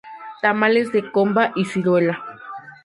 Tamales de comba y ciruela